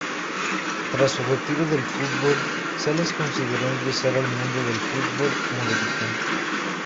Tras su retiro del fútbol, Salas consideró ingresar al mundo del fútbol como dirigente.